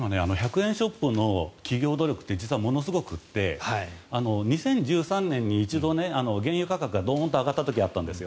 今、１００円ショップの企業努力ってものすごくって２０１３年に一度原油価格がどんと上がった時があったんです。